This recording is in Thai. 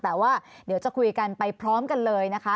แต่ว่าเดี๋ยวจะคุยกันไปพร้อมกันเลยนะคะ